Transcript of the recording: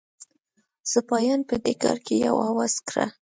سپاهیان په دې کار کې یو آواز کړه.